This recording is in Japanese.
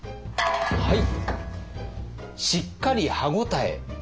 はい！